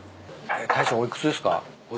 大将お幾つですか？